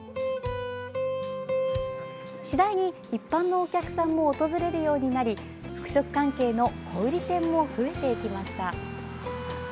次第に、一般のお客さんも訪れるようになり服飾関係の小売店も増えていきました。